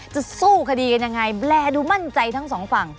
จะสู้คดีกันยังไงแลดูมั่นใจทั้งสองฝั่ง